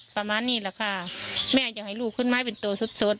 ประมาณนี้แหละค่ะแม่อยากให้ลูกขึ้นมาเป็นตัวสด